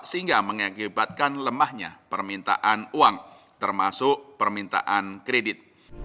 sehingga mengakibatkan lemahnya permintaan uang termasuk permintaan kredit